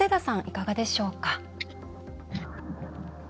いかがでしょうか。